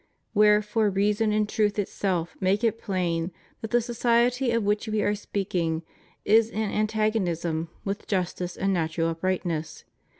"V^^le^efore reason and truth itself make it plain that the society of which we are speaking is in antagonism \vith justice and natural uprightness.